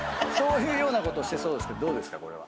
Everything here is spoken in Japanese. そういうようなことをしてそうですけどどうですか？